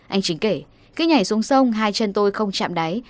anh chính kể khi nhảy xuống sông hai chân tôi không chạm đáy